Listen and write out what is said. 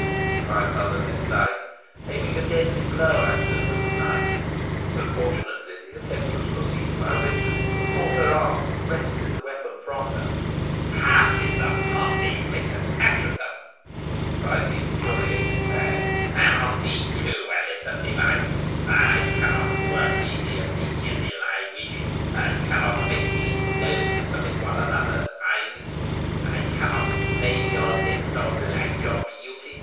cried Mother Demdike, aiming a deadly blow at her with the knife. But, fortunately, the attempt was foreseen by Richard, who caught her arm, and wrested the weapon from her. "Curses on thee, Richard Assheton!" cried the infuriated hag, "and on thee too, Alizon Device, I cannot work ye the immediate ill I wish. I cannot make ye loathsome in one another's eyes. I cannot maim your limbs, or blight your beauty.